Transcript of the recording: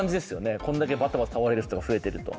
これだけバタバタ倒れる人が増えていると。